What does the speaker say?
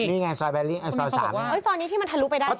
นี่ไงซอย๓นี่ไงเอ้ยซอนี้ที่มันทะลุไปได้ใช่ไหม